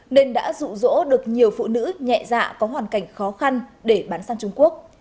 nên đã rụ rỗ được nhiều phụ nữ nhẹ dạ có hoàn cảnh khó khăn để bán sang trung quốc